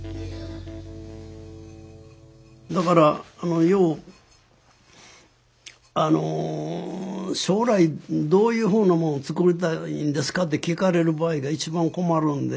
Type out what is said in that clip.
だからよう「将来どういうふうなものを作りたいんですか？」って聞かれる場合が一番困るんで。